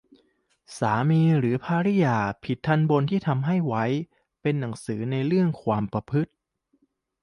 สามีหรือภริยาผิดทัณฑ์บนที่ทำให้ไว้เป็นหนังสือในเรื่องความประพฤติ